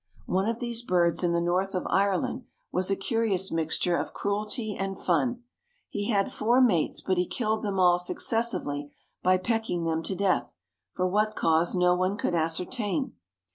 One of these birds in the north of Ireland was a curious mixture of cruelty and fun. He had four mates but he killed them all successively by pecking them to death, for what cause no one could ascertain.